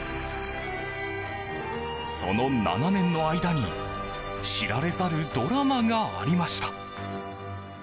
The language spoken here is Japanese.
その７年の間に知られざるドラマがありました。